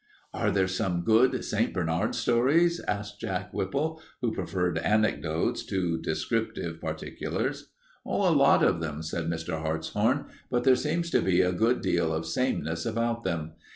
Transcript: "Are there some good St. Bernard stories?" asked Jack Whipple, who preferred anecdotes to descriptive particulars. "A lot of them," said Mr. Hartshorn, "but there seems to be a good deal of sameness about them.